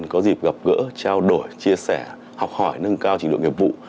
có dịp gặp gỡ trao đổi chia sẻ học hỏi nâng cao trình độ nghiệp vụ